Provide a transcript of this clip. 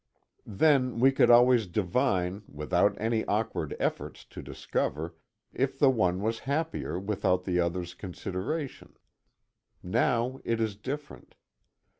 Then, we could always divine, without any awkward efforts to discover, if the one was happier without the other's consideration now it is different.